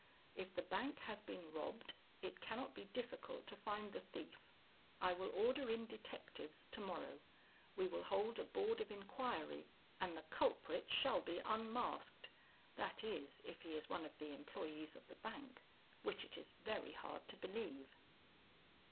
If the bank has been robbed, it cannot be difficult to find the thief. I will order in detectives to morrow. We will hold a board of inquiry, and the culprit shall be unmasked; that is, if he is one of the employees of the bank, which it is very hard to believe."